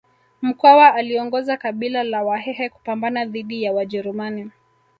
mkwawa aliongoza kabila la wahehe kupambana dhidi ya wajerumani